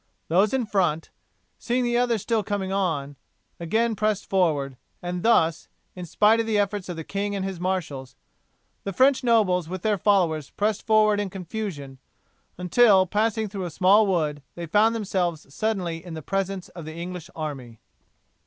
Those in front, seeing the others still coming on, again pressed forward, and thus, in spite of the efforts of the king and his marshals, the French nobles with their followers pressed forward in confusion, until, passing through a small wood, they found themselves suddenly in the presence of the English army.